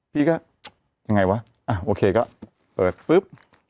พี่ก็ยังไงวะโอเคก็เปิดปุ๊บ